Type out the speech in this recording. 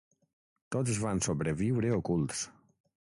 Tots van sobreviure ocults.